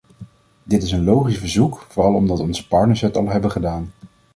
Dit is een logisch verzoek, vooral omdat onze partners het al hebben gedaan.